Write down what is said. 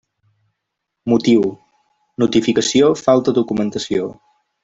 Motiu: notificació falta documentació.